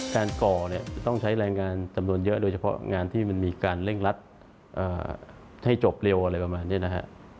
ก่อเนี่ยจะต้องใช้แรงงานจำนวนเยอะโดยเฉพาะงานที่มันมีการเร่งรัดให้จบเร็วอะไรประมาณนี้นะฮะ